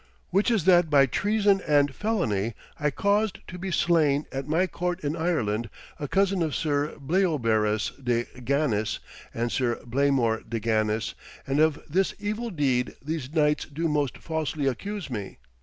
Which is that by treason and felony I caused to be slain at my court in Ireland a cousin of Sir Bleobaris de Ganis and Sir Blamor de Ganis, and of this evil deed these knights do most falsely accuse me.